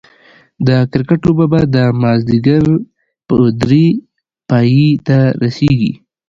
د کرکټ لوبه به دا ماځيګر په دري پايي ته رسيږي